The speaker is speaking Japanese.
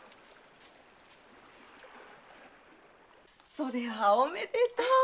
それはおめでとう！